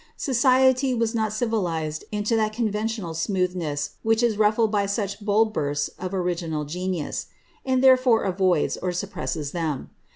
Society was not then civilized into that conventional smooth ness which is rutlied by such bold bursts of original genius ; and there fore avoids or suppresses them.